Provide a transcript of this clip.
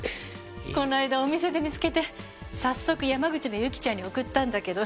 この間お店で見つけて早速山口のユキちゃんに送ったんだけど。